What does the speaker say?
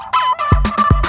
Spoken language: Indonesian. kau mau kemana